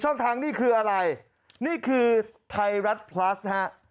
ทางนี่คืออะไรนี่คือไทยรัฐพลัสฮะ